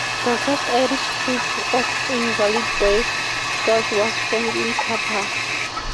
The first Irish troupe of Invalid Boy Scouts was formed in Cappagh.